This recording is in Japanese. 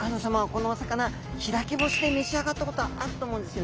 このお魚開き干しで召し上がったことあると思うんですよね。